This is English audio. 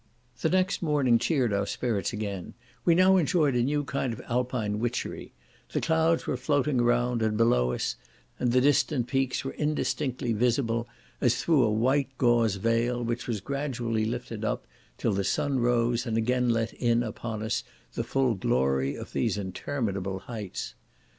The next morning cheered our spirits again; we now enjoyed a new kind of alpine witchery; the clouds were floating around, and below us, and the distant peaks were indistinctly visible as through a white gauze veil, which was gradually lifted up, till the sun arose, and again let in upon us the full glory of these interminable heights.